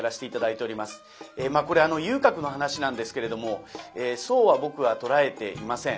これ遊郭の噺なんですけれどもそうは僕は捉えていません。